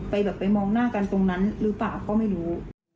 แบบไปมองหน้ากันตรงนั้นหรือเปล่าก็ไม่รู้